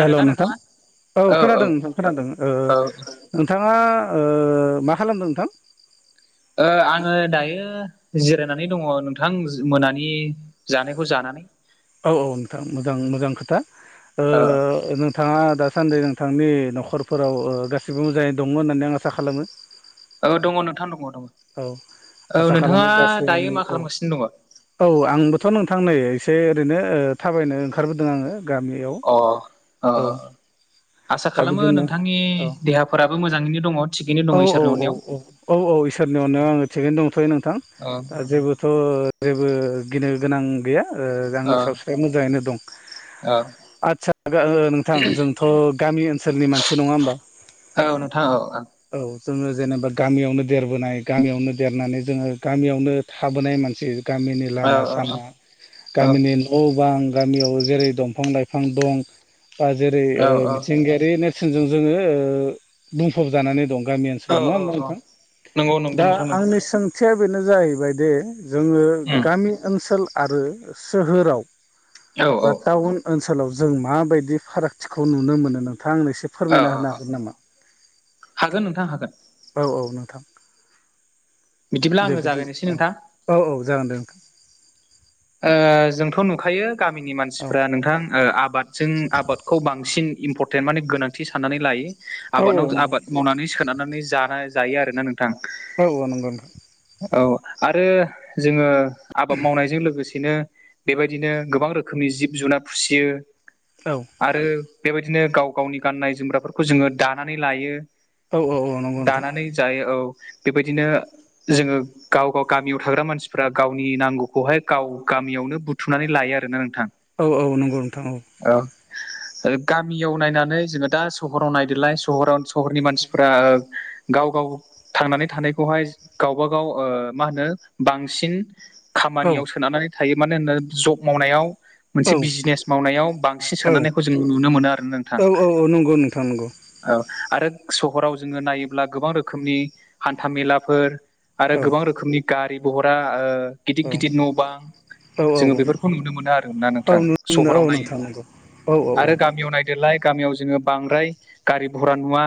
Hello नोंथां, नोंथाङा औ खोनादों नोंथां खोनादों ओ औ नोंथाङा ओ मा खालामदों नोंथां? ओ आङो दायो जिरायनानै दङ' नोंथां मोनानि। जानायखौ जानानै औ औ नोंथां नोंथां मोजां खोथा ओ नोंथाङा दासान्दि नोंथांनि न'खरफोराव ओ गासिबो मोजाङैनो दंमोन होननानै आं आसा खालामो। औ दङ नोंथां दङ दङ औ आसा औ नोंथाङा खालामो दायो गासैनि मा औ खालामगासिनो दङ? औ आंबोथ' नोंथां नै एसे ओरैनो ओ थाबायनो ओंखारबोदों आङो गामियाव अ ओ औ दा आसाखालामो बिदिनो नोंथांनि औ देहाफोराबो मोजाङैनो दङ'। थिगैनो दङ औ औ इसोरनि औ अननायाव औ औ औ इसोरनि अननायाव आङो थिगैनो दंथ'यो नोंथां औ दा जेबो थ' जेबो गिनो गोनां गैया ओ आंनि सावस्रिया मोजाङैनो दं। ओ। आदसा [unintelligible] नोंथां जोंथ' गामि ओनसोलनि मानसि नङा होमबा? औ नोंथां औ औ औ जोङो जेनेबा गामियावनो देरबोनाय गामियावनो देरनानै जोङो गामियावनो थाबोनाय मानसि। गामिनि औ औ लामा-सामा औ गामिनि न' बां गामियाव जेरै दंफां लाइफां दं बा जेरै ओ औ मिथिंगायारि नेर सिनजों जोङो ओ फब जानानै दं गामि औ ओनसोलाव नङा औ होमबा औ नोंथां! नंगौ नंगौ दा नोंथां नंगौ आंनि सों सोंथिया बेनो जाहैबायदि जोङो उम गामि ओनसोल आरो सोहोराव औ बा औ टाउन ओनसोलाव जों माबायदि फारागथिखौ नुनो मोनो नोंथां आंनो एसे औ फोरमायना होनो औ हागोन नामा? हागोन नोंथां हागोन, औ औ नोंथां बिदिब्ला दे आङो बिदि जागायनोसै औ नोंथां औ औ जागोन दे नोंथां ओ जोंथ' नुखायो गामिनि औ मानसिफ्रा नोंथां ओ आबाद, जों आबादखौ बांसिन इम्परटेन्ट माने गोनांथि साननानै लायो औ आबादाव नंगौ आबाद मावनानै सोनारनानै जानाय जायो आरोना नोंथां औ औ नंगौ नोंथां। औ आरो जोङो आबाद मावनायजों लोगोसे बिदिनो बेबायदिनो गोबां रोखोमनि जिब जुनार फिसियो औ आरो बेबायदिनो गाव गावनि गाननाय जोमग्राफोरखौ जोङो दानानै लायो औ औ नंगौ नोंथां दानानै जायो औ बेबायदिनो जोङो गाव गाव गामियाव थाग्रा मानसिफ्रा गावनि नांगौखौहाय गाव, गामियावनो बुथुमनानै लायो आरोना नोंथां, औ औ नंगौ नोंथां औ औ गामियाव नायनानै जोङो दा सहराव नायदोलाय सहराव सहरनि मानसिफोरा ओ, गाव गाव थांनानै थानायखौहाय गावबागाव ओ मा होनो बांसिन, औ खामानियाव सोनारनानै थायो मानो होना जब मावनायाव, मोनसे औ औ बिजिनेस मावनायाव बांसिन सोनारनायखौ जों नुनो मोनो आरोना नोंथां, औ औ नंगौ नोंथां नंगौ औ आरो सहराव जोङो नायोब्ला गोबां रोखोमनि हान्था मेलाफोर आरो औ गोबां रोखोमनि गारि भहरा ओ औ गिदिर गिदिर न' बां, औ जोङो बेफोरखौ नुनो मोनो आरोना औ नोंथां नुनो मोनो औ सहराव नोंथां नायोब्ला नंगौ औ आरो गामियाव नाय, देलाय गामियाव जोङो बांद्राय गारि घरा नुवा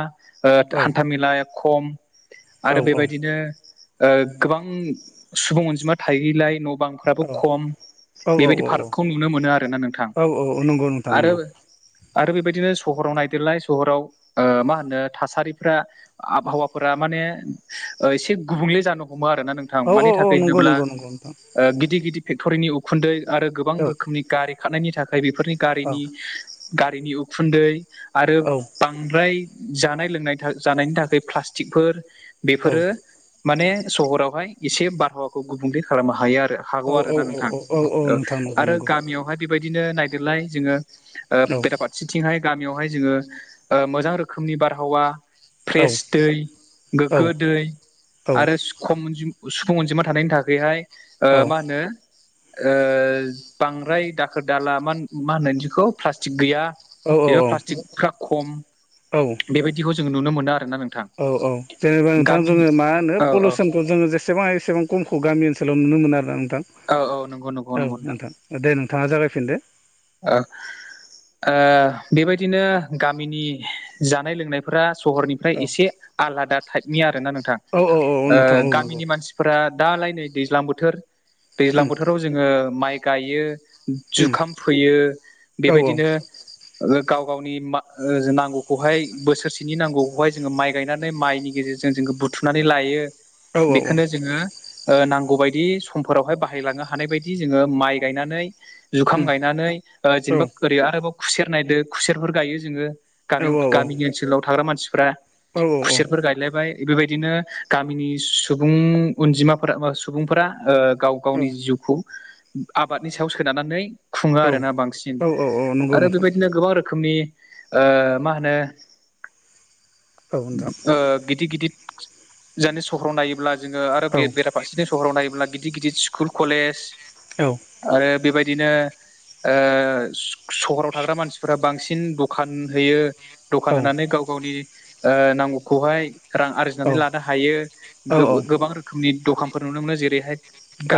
ओ हान्था मेेलाया खम, औ आरो औ बेबायदिनो, ओ गोबां सुबुं अनजिमा थायैलाय न' बांफ्रा, खम औ बेबायदि औ औ फारागखौ नुनो मोनो आरोना नोंथां औ औ औ नंगौ नोंथां आरो नंगौ आरो बेबायदिनो सहराव नायदेरलाय सहराव ओ मा होनो थासारिफ्रा आबहावाफोरा माने एसे गुबुंले जानो हमो आरोना नोंथां औ औ मानि औ थाखाय नंगौ होनोब्ला नंगौ नंगौ नोंथां गिदिर गिदिर फेक्ट'रिनि उखुन्दै आरो गोबां औ रोखोमनि गारि खारनायनि थाखाय बेफोरनि औ गारिनि गारिनि उखुन्दै आरो औ बांद्राय जानाय लोंनाय जानायनि थाखाय प्लास्टिकफोर औ बेफोरो माने सहरावहाय एसे बारहावाखौ गुबुंले खालामनो हायो आरो हागौ औ आरो औ नोंथां औ औ नोंथां नंगौ आरो नंगौ गामियावहाय बेबायदिनो नायदेरलाय जोङो औ पटापा खासेथिंहाय गामियावहाय जोङो मोजां रोखोमनि बारहावा औ फ्रेस दै औ गोगो दै आरो खम अनजिमा सुफुं अनजिमा थानायनि थाखायहाय ओ मा होनो ओ बांद्राय दाखोर दाला मा मा होनो इदिखौ प्लास्टिक गैया जेनेबा प्लास्टिकफ्रा खम औ बेबायदिखौ जों नुनो मोना औ औ जेनेबा नोंथां जोङो मा होनो औ पलुसनखौ खौ जोङो जसेबां हायो एसेबां खमखौ गामि ओनसोलाव नुनो मोन आरो नोंथां औ औ नंगौ नंगौ नंगौ नोंथां दे नोंथाङा जागायफिनदो ओ बेबायदिनो गामिनि जानाय लोंनाय सहरनिफ्राय औ एसे आलादा टाइपनि आरोना नोंथां। औ औ औ औ ओ नोंथां औ नंगौ गामिनि मानसि फोरा दालाय नै दैज्लां बोथोर दैज्लां उम बोथोराव जोङो माइ गायो उम जुखाम फोयो औ बेबायदिनो गाव गावनि मा ओ नांगौखौहाय बोसोरसेनि नांगौखौहाय जोङो माइ गायनानै माइनि गेजेरजों जों जों बुथुमनानै लायो औ औ बेखौनो जोङो नांगौ बायदि समफोरावहाय बाहायलांनो हानाय बायदि जोङो माइ गायनानै जुखाम उम गायनानै गायनानै औ जेनेबा ओरै आरोबाव खुसेर नायदो खुसेरफोर गायो जोङो औ गामियाव औ गामिनि ओनसोलाव थाग्रा मानसिफोरा खुसेरफोर गाय लायबाय बेबायदिनो गामिनि सुबुं अनजिमाफोरा सुबुंफोरा ओ गाव गावनि जिउखौ आबादनि सायाव सोननानै खुङो औ आरोना बांसिन औ औ नंगौ आरो नोंथां बेबायदिनो गोबां रोखोमनि ओ मा होनो औ नोंथां ओ गिदिर गिदिर जानि सहराव नायोब्ला जोङो आरो बे औ बेराफारसेनि सहराव नायोब्ला गिदिर गिदिर स्कुल कलेज औ आरो बेबायदिनो ओ सहराव थाग्रा मानसिफोरा बांसिन दखान होयो औ दखान होनानै गाव गावनि ओ नांगौखौहाय रां औ आरजिनानै लानो हायो गोबां रोखोमनि दखानफोर नुनो मोनो जेरैहाय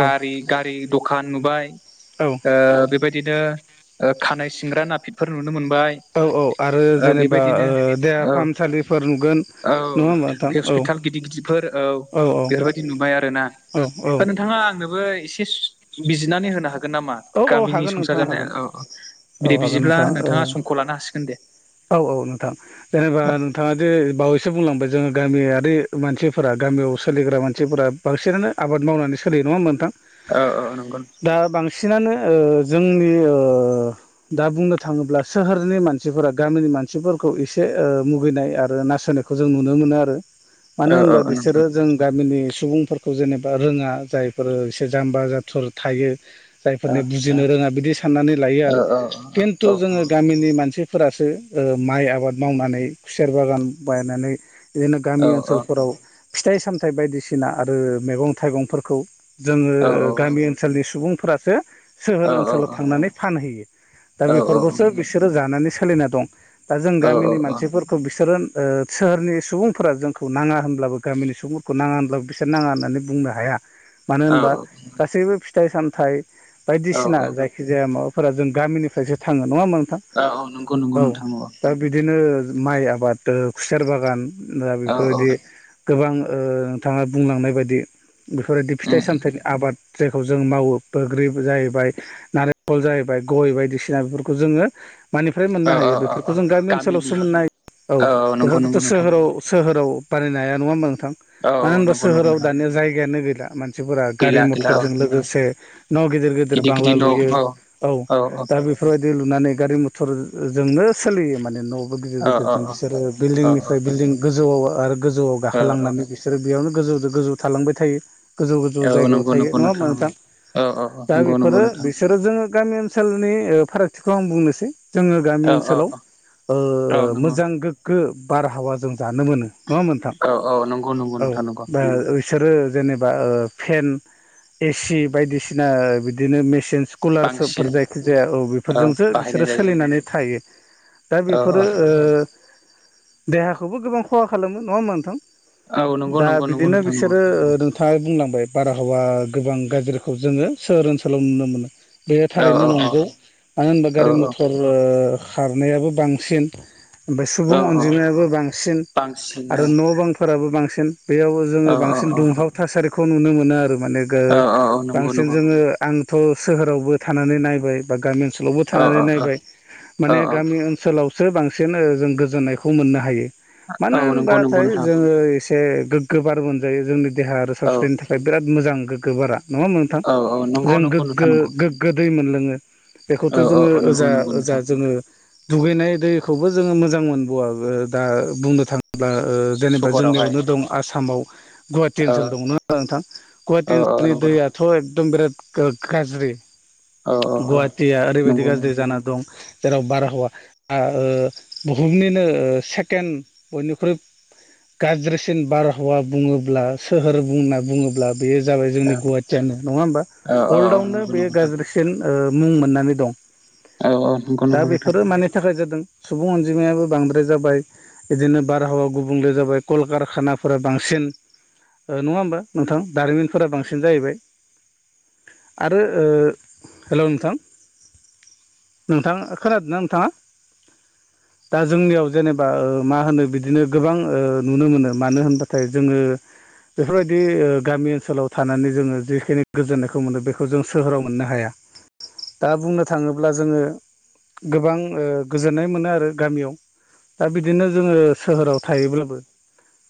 औ गारि दखान नुबाय औ ओ बेबायदिनो खानायाइ सिंग्रा नाफिटफोर नुनो मोनबाय। औ औ आरो ओ जेनेबा बेबायदिनो ओ देहा औ फाहामसालिफोर नुगोन औ नङा होमबा नोंथां औ हस्पिटाल गिदिर गिदिरफोर औ बेफोरबायदि नुबाय आरो ना औ औ नोंथाङा आंनोबो एसे ए बिजिरनानै होनो हागोन नामा? औ औ गामिनि हागोन संसार नोंथाङा जानाय हागोन औ औ बिदै हागोन बिदिब्ला नोंथां औ नोंथाङा समखौ लानो हासिगोन दे। औ औ नोंथां जेनेबा औ [unintelligible] ओ जे बावैसो बुंलांबाय जोङो गामियारि मानसिफोरा गामियाव सोलिग्रा मानसिफोरा बांसिनानो आबाद मावनानै सोलियो नङा नोंथां? औ औ नंगौ दा बांसिनानो ओ जोंनि ओ दा बुंनो थाङोब्ला सोहोरनि मानसिफोरा गामिनि मानसिफोरखौ एसे मुगैनाय आरो नासयनो खौ जों नुनो मोनो आरो मानो औ औ होनबा औ नोंथां बिसोरो जों गामिनि सुबुं खौ जेनेबा रोङा जायफोर एसे जाम्बा जाथुर थायो औ जायफोरनि गिनो रोङा बिदि साननानै लायो आरो औ खिन्थु जोङो गामिनि मानसि फोरासो माइ आबाद मावनानै खुसेर बागान बायनानै बिदिनो गामि औ ओनसोलफोराव फिथाइ सामथाइ बायदिसिना आरो मैगं थाइगंफोरखौ जोङो औ औ गामि औ ओनसोलनि सुबुंफोरासो सोहोर ओनसोलाव औ थांनानै फानहैयो। दा औ औ बेफोरखौसो बिसोरो जानानै सोलिना दं। दा जों औ गामिनि औ औ मानसिफोरखौ बिसोरो ओ सोहोरनि सुबुंफोरा जोंखौ नाङा होनब्लाबो गामिनि सुबुंफोरखौ नाङा होनब्लाबो बिसोर नाङा होननानै बुंनो हाया। मानो होनबा नंगौ गासैबो फिथाइ सामथाइ बायदिसिना जायखिजाया माबाफोरा जों गामिनिफ्रायसो थाङो नङा होमा नोंथां। औ दा बिदिनो माइ आबाद, खुसेर बागान दा औ बेफोरबायदि गोबां ओ नोंथाङा बुंलांनाय बायदि। बेफोरबायदि फिथाइ सामथायाइ आबाद जायखौ जों मावो बोग्रि जाहैबाय, नारेंखल जाहैबाय, गय बायदिसिना बेफोरखौ जोङो मानिफ्राय औ मोननो औ हायो औ बेफोरखौ जों गामि गामिनि ओनसोलावसो मोननाय औ नंगौ बेफोरखौथ' नंगौ नोंथां सोहोराव सोहोराव बानायनो हाया नङा होमबा नोंथां औ औ मानो होनबा नंगौ नंगौ सोहोराव नोंथां दानिया जायगायानो गैला। मानसिफोरा गारि गैला गैला औ मथरजों लोगोसे न' गिदिर गेदेर बांला गिदिर न' औ लुयो। औ औ दा बे बेफोरबायदि लुनानै गारि मथरजोंनो सोलियो माने न' गिदिर औ गिदेरजों बिसोरो औ बिल्डिंनिफ्राय बिल्डिं गोजौआव आरो गोजौआव औ औ गाखोलांनानै बि सोर बेयावनो गोजौ गोजौ थालांबाय थायो गोजौ गोजौ जायगायाव थायो नङा होमबा नोंथां। अ अ। दा बेफोरो बिसोरो जोङो गामि ओनसोलनि ओ फारागथिखौ आं बुंनोसै। जोङो गामि औ औ ओनसोलाव ओ औ नंगौ मोजां गोग्गो बारहावा जों जानो मोनो। नङा होम्बा नोंथां। औ औ नंगौ नंगौ नोंथां नंगौ बिसोरो जेनेबा ओ फेन एसि बायदिसिना बिदिनो मेसिन कुलारशपफोर बांसिन जायखिजाया औ बेफोरजोंसो बाहायनाय बिसोरो जायो सोलिनानै थायो। दा औ औ बेफोरो ओ देहाखौबो गोबां खहा खालामो नङा होम्बा नोंथां। औ नंगौ दा नंगौ नंगौ बिदिनो नोंथां नंगौ बिसोरो ओ [unintelligible] बुंलांबाय बारहावा गोबां गाज्रिखौ जोङो सोहोर ओनसोलाव नुनो मोनो। बेयो औ थारैनो औ नंगौ मानो होनबा औ गारि मथर खारनायाबो बांसिन बे औ सुबुं औ अनजिमायाबो बांसिन, बांसिन आरो औ न' बांफोराबो बांसिन, बेयाव औ जोङो औ बांसिन दुंहाव थासारिखौ नुनो मोनो आरो माने गो औ औ नंगौ नंगौ ङो आंथ' सोहोरावबो थानानै नायबाय, बा गामि ओनसोलावबो औ थानानै नायबाय, औ माने गामि ओन सोलावसो बांसिन ओ जों गोजोननायखौ मोननो हायो। औ मानो औ नंगौ नंगौ होनबाथाय नोंथां जोङो ए गोग्गो बार मोनजायो जोंनि देहा आरो औ सावस्रिनि थाखाय बिराद मोजां गोग्गो बारा नङा होम्बा नों थां, औ औ नंगौ जों नंगौ नोंथां गोगगो, नंगौ गो गोदै मोनलोङो बेखौथ' औ औ जोङो औ नंगौ ओजा नंगौ ओजा नोंथां जोङो दुगैनाय दैखौबो जोङो मोजां मोनबावा दा बुंनो था ब्ला ओ जेनेबा सहरावहाय जोंनियावनो दं आसामाव गुवाहाटि औ ओनसोल दङ [unintelligible] नोंथां औ गुवाहाटि औ ओनसोलनि नंगौ दाथ' एकदम बिराद गाज्रि। औ औ गुवाहाटिया ओरैबायदि नंगौ गाज्रि नंगौ जाना दं जेराव बारहावा आ ओ बुहुमनिनो सेकेणड बयनिख्रुइ गाज्रिसिन बारहावा बुङोब्ला सोहोर बुंना बुङोब्ला बेयो जाबाय जोंनि गुवाहाटियानो नङा होमबा। औ औ अल्डआवनो नंगौ नंगौ बेयो नोंथां गाज्रि ओ मुं मोननानै दं। औ औ नंगौ दा नंगौ नोंथां बेफोरो मानि थाखाय जादों सुबुं अनजिमायाबो बांद्राय जाबाय, इदिनो बारहावा गुबुंले जाबाय कलकारखानाफोरा बांसिन। ओ नङा होमबा नोंथां दारिमनफोरा बां सिन जाहैबाय‌ आरो ओ, हेल' नोंथां! नोंथाङा खोनादोंना नोंथाङा दा जोंनियाव जेनेबा मा होनो बिदिनो गोबां ओ नुनो मोनो मानो होनबाथाय जोङो बेफोरबायदि गामि ओनसोलाव थानानै जोङो जिखिनि गोजोननायखौ मोनो बेखौ जों सोहोराव मोननो हाया। दा बुंनो थाङोब्ला जोङो गोबां गोजोननाय मोनो आरो गामियाव दा बिदिनो जोङो सोहोराव थायोब्लाबो